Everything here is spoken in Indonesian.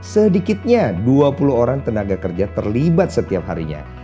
sedikitnya dua puluh orang tenaga kerja terlibat setiap harinya